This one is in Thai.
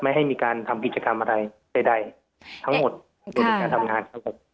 ไม่ให้มีการทำกิจกรรมอะไรใดทั้งหมดโดยการทำงานทั้งหมด